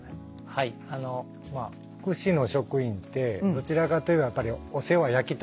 はいあの福祉の職員ってどちらかといえばやっぱりお世話焼きたい。